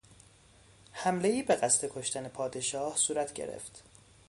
حملهای به قصد کشتن پادشاه صورت گرفت.